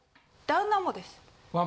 旦那もです。